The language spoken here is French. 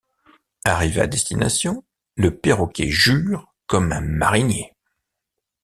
Arrivé à destination, le perroquet jure comme un marinier.